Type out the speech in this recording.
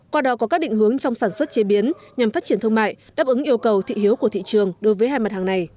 qua đó có các định hướng trong sản xuất chế biến nhằm phát triển thương mại đáp ứng yêu cầu thị hiếu của thị trường đối với hai mặt hàng này